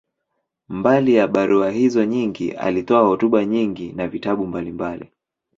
Mbali ya barua hizo nyingi, alitoa hotuba nyingi na vitabu mbalimbali.